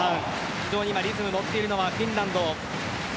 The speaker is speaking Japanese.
非常にリズムに乗っているのはフィンランド。